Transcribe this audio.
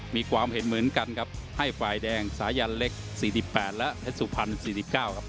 มีความเห็นเหมือนกันครับให้ฝ่ายแดงสายันเล็ก๔๘และสุพันธ์๔๒